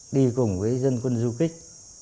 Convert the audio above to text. đi cùng với dân quân du kích